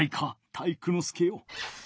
体育ノ介よ。